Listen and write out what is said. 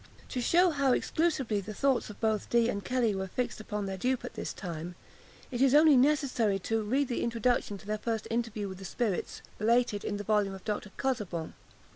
To shew how exclusively the thoughts both of Dee and Kelly were fixed upon their dupe at this time, it is only necessary to read the introduction to their first interview with the spirits, related in the volume of Dr. Casaubon.